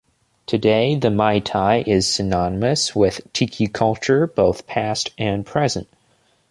Today, the Mai Tai is synonymous with Tiki culture both past and present.